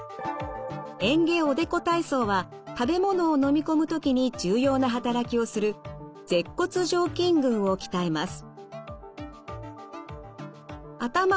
嚥下おでこ体操は食べ物をのみ込む時に重要な働きをする舌骨上筋群を鍛えます。